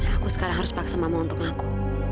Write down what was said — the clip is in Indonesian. aku sekarang harus paksa mama untuk aku